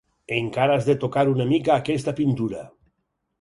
Encara has de tocar una mica aquesta pintura.